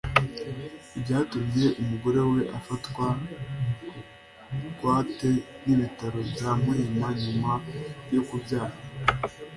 Ibi byatumye umugore we afatwa bugwate n’ibitaro bya Muhima nyuma yo kubyara